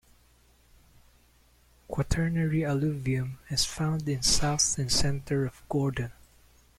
Quaternary alluvium is found in south and center of Gordon.